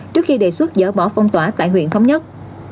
trước khi đề xuất dỡ bỏ phong tỏa tại huyện thống nhất